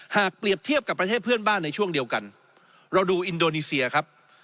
หากเปรียบเทียบกับประเทศเพื่อนบ้านในช่วงเดียวกันเราดูอินโดนีเซียครับ